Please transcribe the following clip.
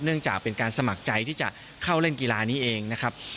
จากเป็นการสมัครใจที่จะเข้าเล่นกีฬานี้เองนะครับ